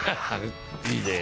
いいね。